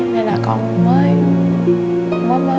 nên là con mới